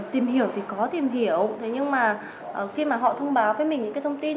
tìm hiểu thì có tìm hiểu thế nhưng mà khi mà họ thông báo với mình những cái thông tin